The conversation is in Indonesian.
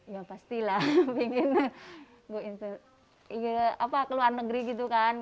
ya pastilah ingin ke luar negeri gitu kan